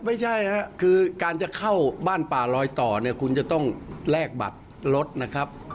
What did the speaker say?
ไม่ใช่นะครับคือการจะเข้าบ้านป่าลอยต่อเนี่ยคุณจะต้องแลกบัตรรถนะครับ